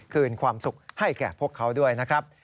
คืนความสุขให้แก่พวกเขาด้วยนะครับ